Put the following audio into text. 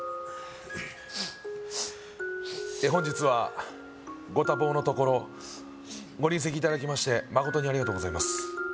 本日はご多忙のところご臨席いただきまして誠にありがとうございます